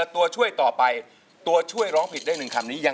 สวมหัวใจสิงนะฮะ